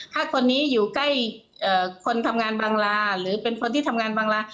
ถ้าคนนี้อยู่ใกล้คนทำงานบังลาหรือเป็นคนที่ทำงานบังลา